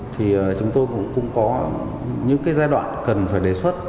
thì chúng tôi cũng có những cái giai đoạn cần phải đề xuất